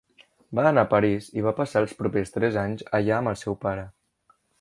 Va anar a París i va passar els propers tres anys allà amb el seu pare.